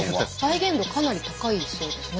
再現度かなり高いそうですね。